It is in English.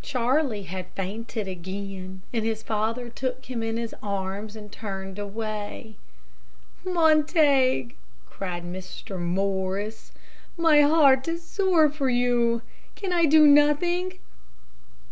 Charlie had fainted again, and his father took him in his arms, and turned away. "Montague!" cried Mr. Morris, "my heart is sore for you. Can I do nothing?"